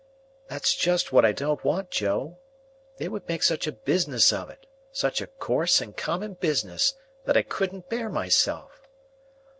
"That's just what I don't want, Joe. They would make such a business of it,—such a coarse and common business,—that I couldn't bear myself."